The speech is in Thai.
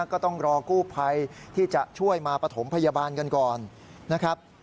ก็ต้องรอกู้ภัยที่จะช่วยมาปฐมพยาบาลกันก่อนนะครับ